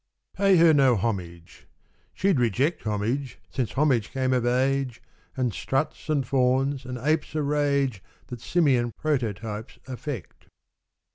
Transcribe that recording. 23 Pa}^ her no homage. She'd reject Homage, since homage came of age And struts and fawns and apes a rage That simian prototypes affect.